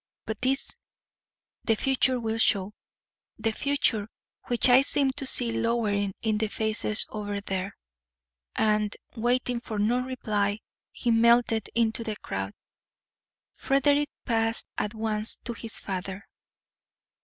But this the future will show, the future which I seem to see lowering in the faces over there." And, waiting for no reply, he melted into the crowd. Frederick passed at once to his father.